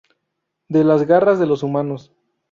De las garras de los humanos.